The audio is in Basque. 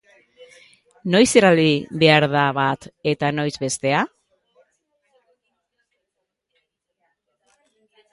Noiz erabili ebhar da bat, eta, noiz, bestea?